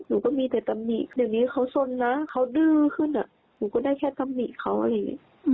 หนูก็มีแต่ตำหนิเดือนนี้เขาสนนะเขาดื้อขึ้นอะหนูก็ได้แค่ตำหนิเขาเน้อยังไง